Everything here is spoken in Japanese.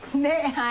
はい。